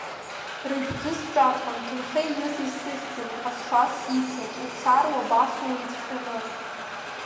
Рыжәӡы сҿарҟьон ҭынхеи ҩызеи сыхьӡаны, ҳазшаз сицын, уцар уабацо уицәшәаны.